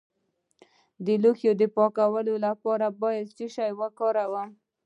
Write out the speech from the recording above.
د لوښو د پاکوالي لپاره باید څه شی وکاروم؟